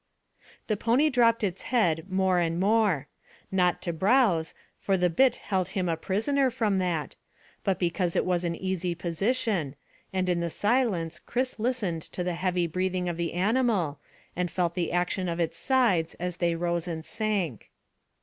The pony dropped its head more and more; not to browse, for the bit held him a prisoner from that, but because it was an easy position, and in the silence Chris listened to the heavy breathing of the animal and felt the action of its sides as they rose and sank.